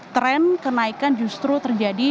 tren kenaikan justru terjadi